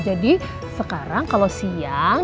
jadi sekarang kalau siang